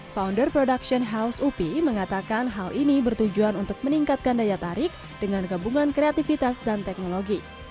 founder production house upi mengatakan hal ini bertujuan untuk meningkatkan daya tarik dengan gabungan kreativitas dan teknologi